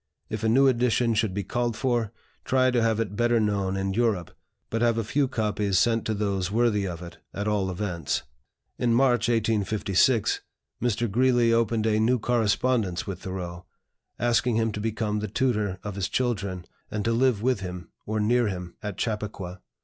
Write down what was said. If a new edition should be called for, try to have it better known in Europe, but have a few copies sent to those worthy of it, at all events." In March, 1856, Mr. Greeley opened a new correspondence with Thoreau, asking him to become the tutor of his children, and to live with him, or near him, at Chappaqua.